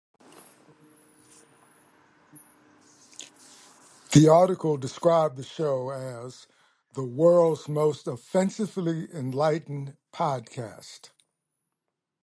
The article described the show as "The World's Most Offensively Enlightened Podcast".